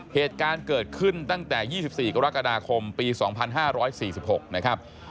เหตุการณ์เกิดขึ้นตั้งแต่๒๔กรกฎาคมปี๒๕๔๖นะครับ